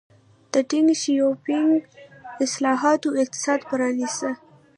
د ډینګ شیاوپینګ اصلاحاتو اقتصاد پرانیسته.